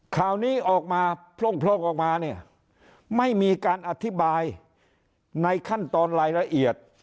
ข่าวนี้ออกมาโพร่งออกมาเนี่ยไม่มีการอธิบายในขั้นตอนรายละเอียด